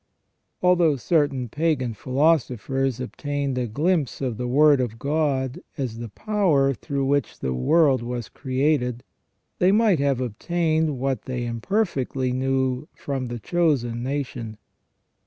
Although certain pagan philosophers obtained a glimpse of the Word of God as the power through which the world was created, they might have obtained what they imperfectly knew from the chosen nation.